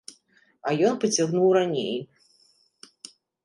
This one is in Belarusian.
А ён пацягнуў раней.